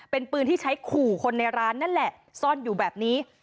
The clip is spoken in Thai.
เป็นปืนที่ใช้ขู่คนในร้านนั่นแหละซ่อนอยู่แบบนี้